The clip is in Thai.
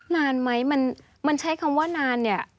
นานไหมมันใช้คำว่านานเนี่ย